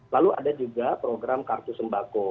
lalu ada juga program kartu sembako